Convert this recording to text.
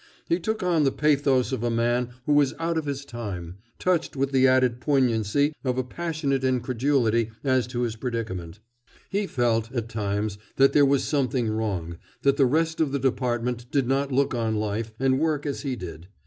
He took on the pathos of a man who is out of his time, touched with the added poignancy of a passionate incredulity as to his predicament. He felt, at times, that there was something wrong, that the rest of the Department did not look on life and work as he did.